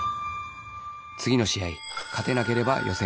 次の試合勝てなければ予選敗退